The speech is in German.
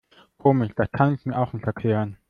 Komisch, das kann ich mir auch nicht erklären.